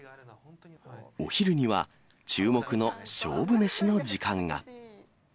お昼には注目の勝負メシの時間が。